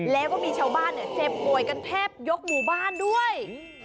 แล้วก็มีชาวบ้านเจ็บป่วยกันแทบยกหมู่บ้านด้วย